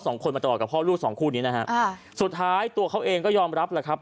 สองคนมาตลอดกับพ่อลูกสองคู่นี้นะฮะอ่าสุดท้ายตัวเขาเองก็ยอมรับแหละครับ